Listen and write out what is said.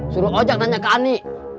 suruh ojak tanya ke ani